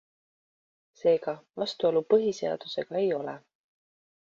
Seega, vastuolu põhiseadusega ei ole.